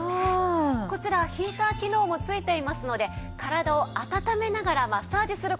こちらヒーター機能も付いていますので体を温めながらマッサージする事ができるんです。